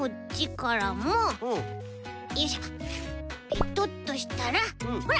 ペトッとしたらほら